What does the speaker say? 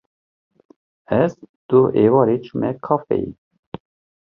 Ez duh êvarê çûme kafeyê.